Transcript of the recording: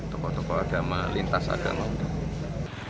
tokoh tokoh agama lintas ada lalu